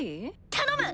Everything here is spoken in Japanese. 頼む！